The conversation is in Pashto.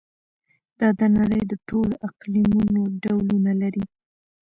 دا د نړۍ د ټولو اقلیمونو ډولونه لري.